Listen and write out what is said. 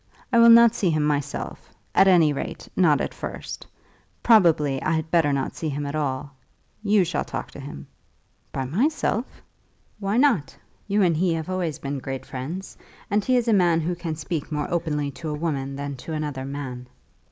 I will not see him myself; at any rate, not at first. Probably I had better not see him at all. You shall talk to him." "By myself!" "Why not? You and he have always been great friends, and he is a man who can speak more openly to a woman than to another man."